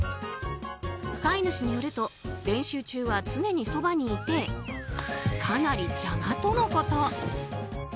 飼い主によると練習中は常にそばにいてかなり邪魔とのこと。